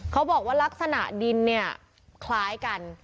เขาบอกว่าลักษณะดินเนี่ยคล้ายกัน